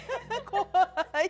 怖い。